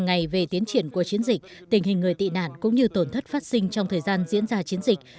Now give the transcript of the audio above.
hàng ngày về tiến triển của chiến dịch tình hình người tị nạn cũng như tổn thất phát sinh trong thời gian diễn ra chiến dịch